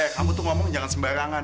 eh kamu tuh ngomong jangan sembarangan